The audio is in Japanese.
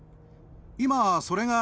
今それが。